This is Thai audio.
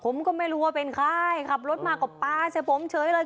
ผมก็ไม่รู้ว่าเป็นใครขับรถมาก็ปลาใส่ผมเฉยเลย